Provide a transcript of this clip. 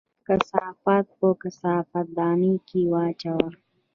کثافات په کثافت دانۍ کې واچوه